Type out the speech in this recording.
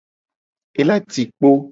Ela ci kpo.